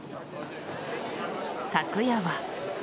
昨夜は。